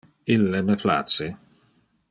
Ille me place.